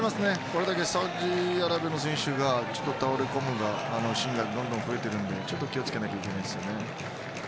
これだけサウジアラビアの選手が倒れ込むシーンがどんどん増えているので気をつけないといけませんね。